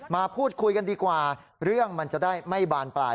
มาพูดคุยกันดีกว่าเรื่องมันจะได้ไม่บานปลาย